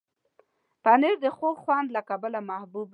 پنېر د خوږ خوند له امله محبوب دی.